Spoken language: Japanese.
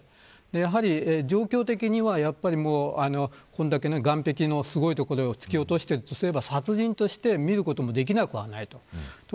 やはり状況的にはこれだけの岸壁のすごいところに突き落としているとすれば殺人として見ることもできなくはないです。